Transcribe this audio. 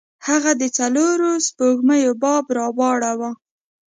هغه د څلورو سپوږمیو باب راواړوه.